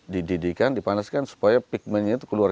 dididikan dipanaskan supaya pigmentnya itu keluar